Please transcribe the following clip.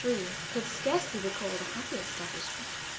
3, could scarcely be called a happy establishment.